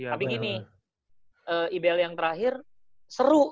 tapi gini ideal yang terakhir seru